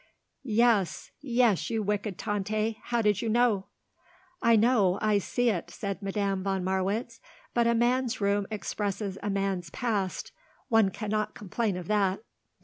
"Yes, yes, you wicked Tante. How did you know?" "I know; I see it," said Madame von Marwitz. "But a man's room expresses a man's past. One cannot complain of that."